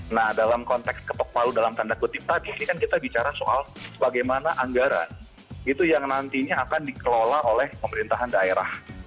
nah dalam konteks ketok palu dalam tanda kutip tadi ini kan kita bicara soal bagaimana anggaran itu yang nantinya akan dikelola oleh pemerintahan daerah